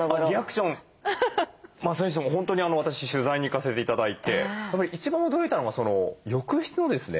それにしても本当に私取材に行かせて頂いて一番驚いたのが浴室のですね